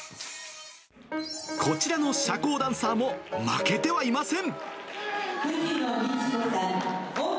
こちらの社交ダンサーも負けてはいません。